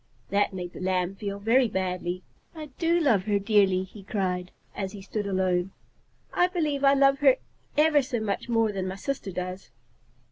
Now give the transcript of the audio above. That made the Lamb feel very badly. "I do love her dearly," he cried, as he stood alone. "I believe I love her ever so much more than my sister does."